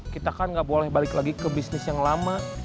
kita kan gak boleh balik lagi ke bisnis yang lama